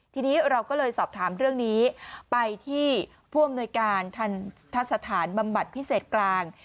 ทีนี้เราก็เลยสอบถามเรื่องนี้ไปที่พ่วงโนยการทัศนฐานบำบัติพิเศษกลาง